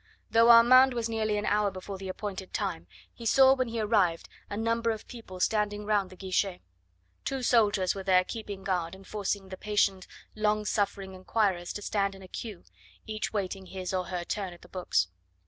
Though Armand was nearly an hour before the appointed time, he saw when he arrived a number of people standing round the guichet. Two soldiers were there keeping guard and forcing the patient, long suffering inquirers to stand in a queue, each waiting his or her turn at the books.